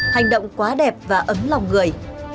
hành động quá đẹp và ấm lòng người